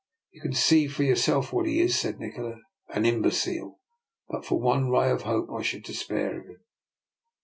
" You can see for yourself what he is," said Nikola: "an imbecile; but for one ray of hope I should despair of him."